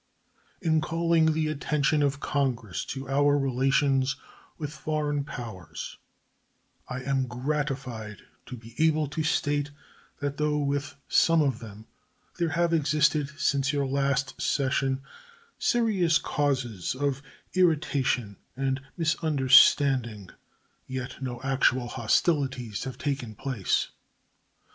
In calling the attention of Congress to our relations with foreign powers, I am gratified to be able to state that though with some of them there have existed since your last session serious causes of irritation and misunderstanding, yet no actual hostilities have taken place.